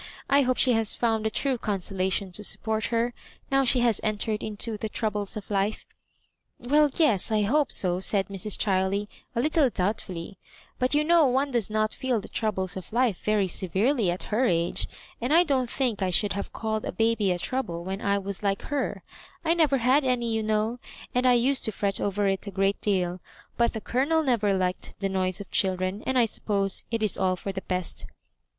I hope she has found the true consolation to support her, now she has entered into the troubles of life." "Well, yes, I hope so," said Mrs. Chiley, a little doubtfully ;" but you know one does not feel the troubles of life very severely at her age; and I don't think I should have called a baby a trouble when I was like her, I never had any, you know, and I used to fret over it a great deal ; but the Colonel never liked the noise of children, and I suppose it is all for the best."